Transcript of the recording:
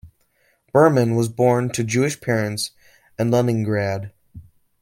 Berman was born to Jewish parents in Leningrad.